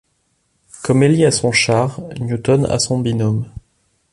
Comme Elie a son char, Newton a son binôme ;